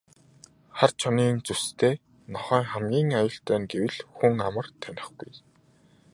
Хар чонын зүстэй нохойн хамгийн аюултай нь гэвэл хүн амар танихгүй.